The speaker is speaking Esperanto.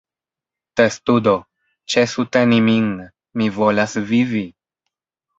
Testudo: "Ĉesu teni min! Mi volas vivi!"